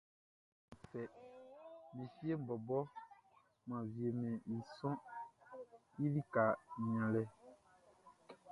N fɛ, mi fieʼn bɔbɔʼn, mʼan wiemɛn i sɔʼn i lika nianlɛ.